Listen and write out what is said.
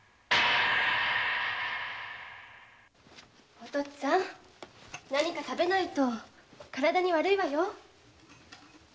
お父っつぁん何か食べないと体に悪いわよ。